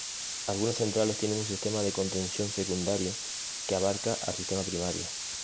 Algunas centrales tienen un sistema de contención secundario que abarca al sistema primario.